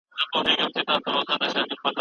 مشاور او لارښود دواړه ورته ماناګاني لري.